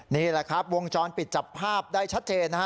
นี่แหละครับวงจรปิดจับภาพได้ชัดเจนนะฮะ